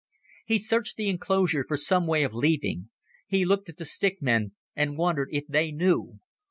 He searched the enclosure for some way of leaving. He looked at the stick men and wondered if they knew.